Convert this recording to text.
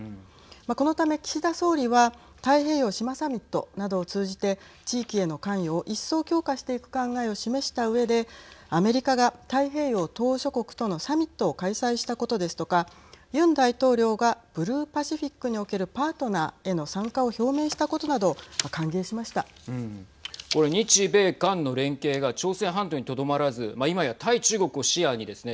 このため岸田総理は太平洋・島サミットなどを通じて地域への関与を一層、強化していく考えを示したうえでアメリカが太平洋島しょ国とのサミットを開催したことですとかユン大統領がブルーパシフィックにおけるパートナーへの参加を表明したことなどをこれ、日米韓の連携が朝鮮半島にとどまらずいまや対中国を視野にですね